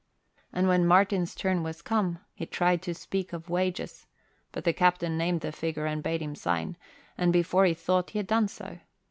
And when Martin's turn was come, he tried to speak of wages, but the captain named the figure and bade him sign, and before he thought, he had done so.